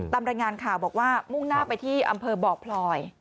ตามรายงานข่าวบอกว่ามุ่งหน้าไปที่อำเภอบ่อพลอย